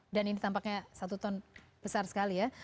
dan ini tampaknya satu ton besar sekali ya